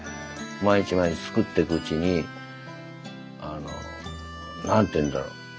毎日毎日作ってくうちにあの何て言うんだろう